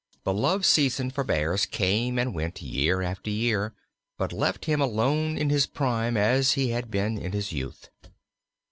The love season of Bears came and went year after year, but left him alone in his prime as he had been in his youth.